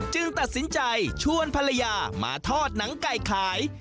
ตัดสินใจชวนภรรยามาทอดหนังไก่ขาย